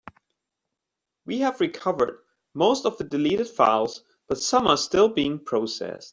We have recovered most of the deleted files, but some are still being processed.